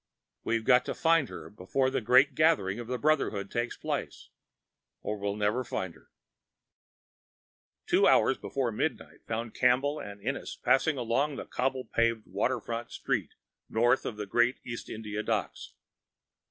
We've got to find her before the great gathering of the Brotherhood takes place, or we'll never find her." Two hours before midnight found Campbell and Ennis passing along a cobble paved waterfront street north of the great East India Docks.